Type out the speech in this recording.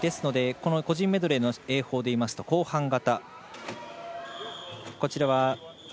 この個人メドレーの泳法でいいますと、後半型。